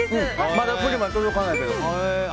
まだプリンには届かないけど。